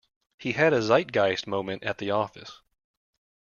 He had a zeitgeist moment at the office.